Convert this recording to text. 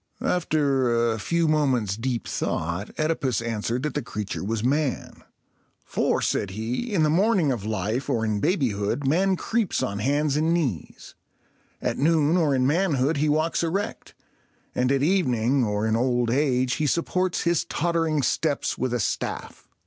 After a few moments' deep thought, OEdipus answered that the creature was man. "For," said he, "in the morning of life, or in babyhood, man creeps on hands and knees; at noon, or in manhood, he walks erect; and at evening, or in old age, he supports his tottering steps with a staff."